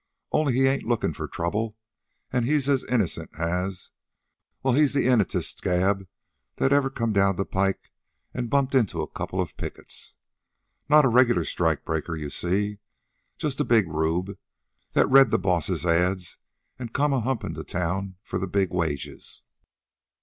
Only he ain't lookin' for trouble, an' he's as innocent as... well, he's the innocentest scab that ever come down the pike an' bumped into a couple of pickets. Not a regular strike breaker, you see, just a big rube that's read the bosses' ads an' come a humpin' to town for the big wages.